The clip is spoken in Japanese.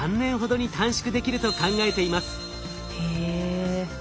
へえ。